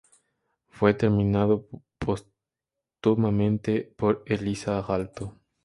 Fue terminado póstumamente por Elissa Aalto.